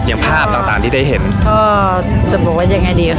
ก็จะบอกว่ายังไงดี